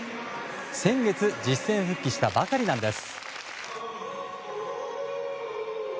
先月実戦復帰したばかりなんです。